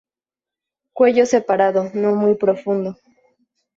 Cuello separado, no muy profundo.